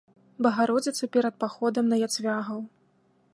Багародзіцы перад паходам на яцвягаў.